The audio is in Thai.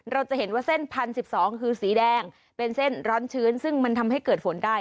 เราจะเห็นว่าเส้น๑๐๑๒คือสีแดงเป็นเส้นร้อนชื้นซึ่งมันทำให้เกิดฝนได้